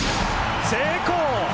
成功！